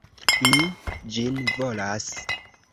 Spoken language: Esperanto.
Mi ĝin volas!